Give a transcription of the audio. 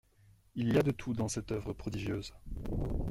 Il y a de tout dans cette oeuvre prodigieuse.